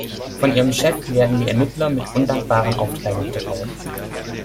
Von ihrem Chef werden die Ermittler mit undankbaren Aufträgen betraut.